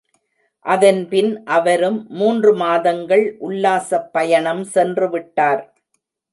அதன்பின் அவரும் மூன்றுமாதங்கள் உல்லாசப் பயணம் சென்று விட்டார்.